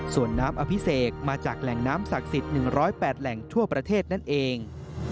ส่วนน้ำอภิเษกมาจากแหล่งน้ำศักดิ์สิทธิ์๑๐๘แหล่งทั่วประเทศนั่นเอง